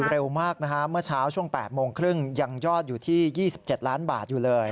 เร็วมากนะฮะเมื่อเช้าช่วง๘โมงครึ่งยังยอดอยู่ที่๒๗ล้านบาทอยู่เลย